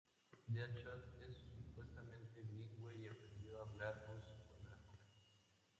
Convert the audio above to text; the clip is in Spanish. Deadshot es supuestamente bilingüe, y aprendió a hablar ruso cuando era joven.